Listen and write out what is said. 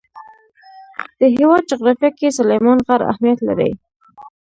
د هېواد جغرافیه کې سلیمان غر اهمیت لري.